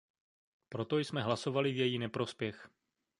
Proto jsme hlasovali v její neprospěch.